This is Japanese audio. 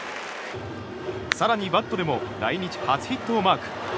更にバットでも来日初ヒットをマーク。